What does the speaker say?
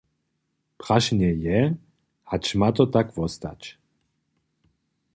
Prašenje je, hač ma to tak wostać.